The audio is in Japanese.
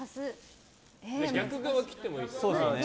逆側を切ってもいいですよ。